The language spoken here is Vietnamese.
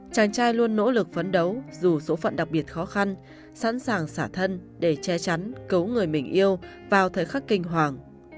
chàng trai luôn nỗ lực phấn đấu dù số phận đặc biệt khó khăn sẵn sàng xả thân để che chắn cứu người mình yêu vào thời khắc kinh hoàng